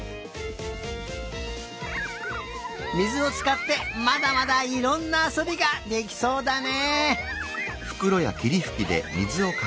みずをつかってまだまだいろんなあそびができそうだね。